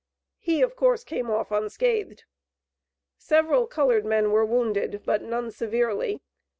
He of course came off unscathed. Several colored men were wounded, but none severely.